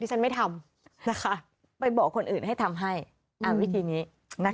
ฉันไม่ทำนะคะไปบอกคนอื่นให้ทำให้วิธีนี้นะคะ